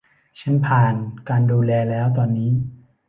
ฉันผ่านการดูแลแล้วตอนนี้